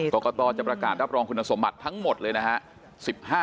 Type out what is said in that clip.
กรกตจะประกาศรับรองคุณสมบัติทั้งหมดเลยนะฮะ